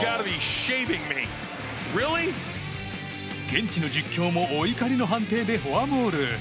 現地の実況もお怒りの判定でフォアボール。